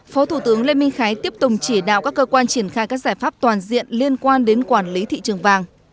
phó thủ tướng lê minh khái tiếp tục chỉ đạo các cơ quan triển khai các giải pháp toàn diện liên quan đến quản lý thị trường vàng